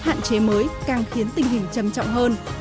hạn chế mới càng khiến tình hình trầm trọng hơn